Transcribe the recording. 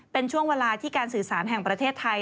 เป็นช่วงเวลาที่การสื่อสารแห่งประเทศไทย